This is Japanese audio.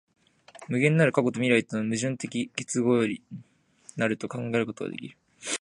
無限なる過去と未来との矛盾的結合より成ると考えることができる。